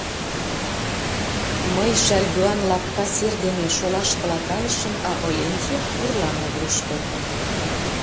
Мый шаргӱан лапка сер дене шолашкыла кайышым, а Олентьев — пурла могырышко.